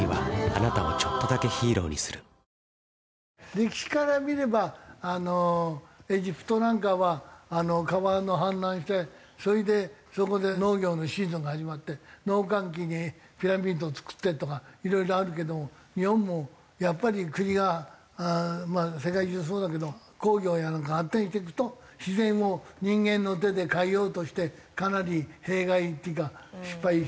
歴史から見ればエジプトなんかは川が氾濫してそれでそこで農業のシーズンが始まって農閑期にピラミッドを造ったりとかいろいろあるけども日本もやっぱり国がまあ世界中そうだけど工業やなんかが発展していくと自然を人間の手で変えようとしてかなり弊害っていうか失敗してるよね。